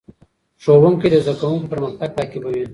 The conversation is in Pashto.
ښوونکی د زدهکوونکو پرمختګ تعقیبوي.